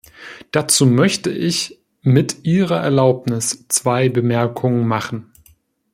Dazu möchte ich mit Ihrer Erlaubnis zwei Bemerkungen machen.